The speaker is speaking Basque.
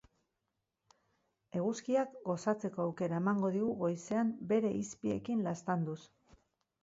Eguzkiak gozatzeko aukera emango digu goizean bere izpiekin laztanduz.